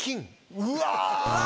うわ。